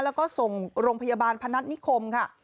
แล้วก็ส่งโรงพยาบาลพนัฐนิคมค่ะ